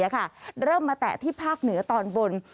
๑๐๑๔ค่ะเริ่มมาแตะที่ภาคเหนือตอนบน